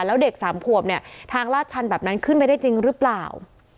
แล้วเด็กสามขวบเนี่ยทางลาดชันแบบนั้นขึ้นไปได้จริงหรือเปล่า